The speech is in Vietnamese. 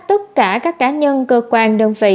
tất cả các cá nhân cơ quan đơn vị